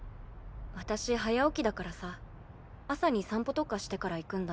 私早起きだからさ朝に散歩とかしてから行くんだ。